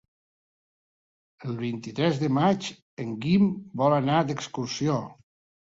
El vint-i-tres de maig en Guim vol anar d'excursió.